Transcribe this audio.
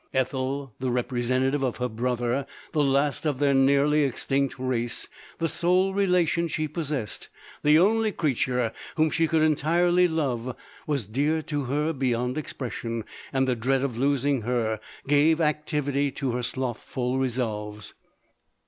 Ethel, the representative of her brother, the last of their nearly extinct race, the sole relation she possessed, the only creature whom she could entirely love, was dear to her bevond expression ; anil the dread of losing her gave activity to her slothful resolves.